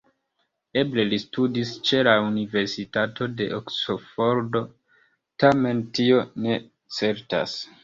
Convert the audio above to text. Eble li studis ĉe la Universitato de Oksfordo, tamen tio ne certas.